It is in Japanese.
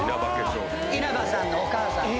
稲葉さんのお母さんの。